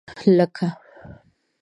لکه